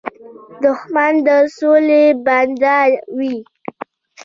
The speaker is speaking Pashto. دښمن د سولې بنده وي